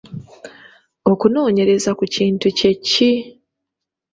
Okunoonyereza ku kintu kye ki?